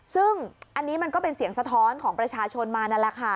ซึ่งอันนี้มันก็เป็นเสียงสะท้อนของประชาชนมานั่นแหละค่ะ